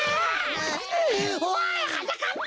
おいはなかっぱ！